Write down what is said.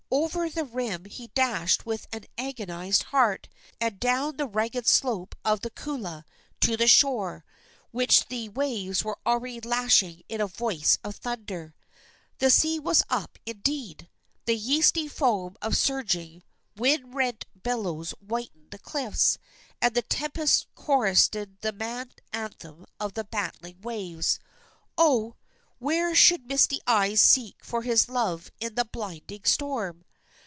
Over the rim he dashed with an agonized heart, and down the ragged slope of the kula to the shore, which the waves were already lashing in a voice of thunder. The sea was up, indeed! The yeasty foam of surging, wind rent billows whitened the cliffs, and the tempest chorussed the mad anthem of the battling waves. Oh! where should Misty Eyes seek for his love in the blinding storm?